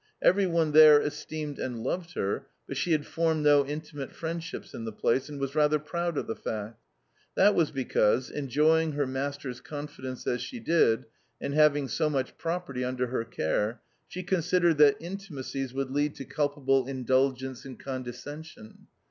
Every one there esteemed and loved her, but she had formed no intimate friendships in the place, and was rather proud of the fact. That was because, enjoying her master's confidence as she did, and having so much property under her care, she considered that intimacies would lead to culpable indulgence and condescension.